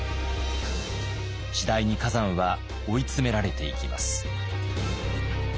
次第に崋山は追い詰められていきます。